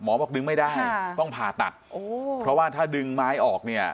บอกดึงไม่ได้ต้องผ่าตัดเพราะว่าถ้าดึงไม้ออกเนี่ย